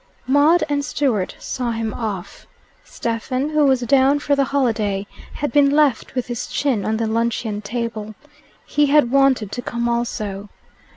Maud and Stewart saw him off. Stephen, who was down for the holiday, had been left with his chin on the luncheon table. He had wanted to come also.